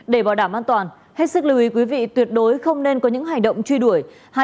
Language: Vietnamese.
để bảo đảm an toàn hết sức lưu ý quý vị tuyệt đối không nên có những hành động truy đuổi